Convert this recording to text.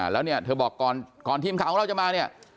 แล้วเธอบอกก่อนทีมข่าวของเราจะมา